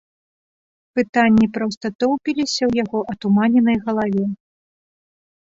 Пытанні проста тоўпіліся ў яго атуманенай галаве.